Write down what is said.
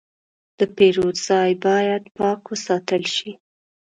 د پیرود ځای باید پاک وساتل شي.